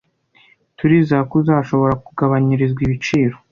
Turizera ko uzashobora kugabanyirizwa ibiciro.